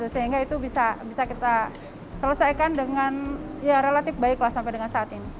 sehingga itu bisa kita selesaikan dengan ya relatif baiklah sampai dengan saat ini